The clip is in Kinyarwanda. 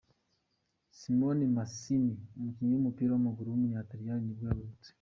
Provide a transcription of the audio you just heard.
Simone Masini, umukinnyi w’umupira w’amaguru w’umutaliyani nibwo yavutse.